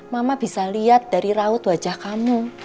mama bisa lihat dari raut wajah kamu